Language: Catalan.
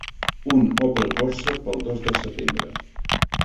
Un Opel Corsa pel dos de setembre.